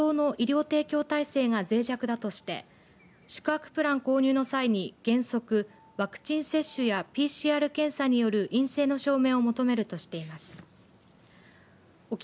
一方で、県は離島の医療提供体制が脆弱だとして宿泊プラン購入の際に、原則ワクチン接種やＰＣＲ検査による陰性の証明を求めるとしています。